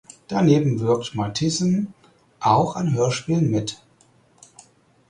Daneben wirkt Matthiesen auch an Hörspielen mit.